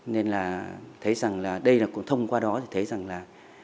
nên là thấy rằng là đây là cũng thông qua đó thì thấy rằng là